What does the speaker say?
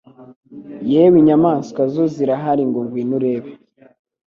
Yewe, inyamaswa zo zirahari ngo ngwino urebe!